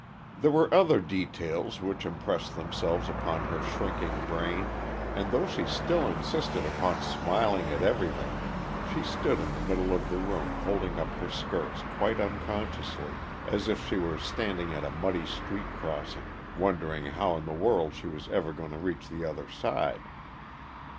There were other details which impressed themselves upon her shrinking brain, and though she still insisted upon smiling at everything, she stood in the middle of the room holding up her skirts quite unconsciously, as if she were standing at a muddy street crossing, wondering how in the world she was ever going to reach the Other side.